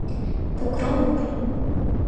ПОКРО МУРО.